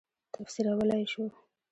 تفسیرولای شو.